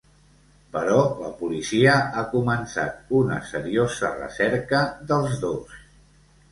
Però la policia ha començat una seriosa recerca dels dos.